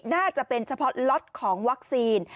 น่าจะเป็นเฉพาะล็อตของวัคซีน